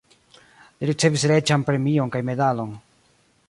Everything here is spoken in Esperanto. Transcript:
Li ricevis reĝan premion kaj medalon.